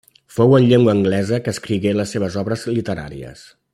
Fou en llengua anglesa que escrigué les seves obres literàries.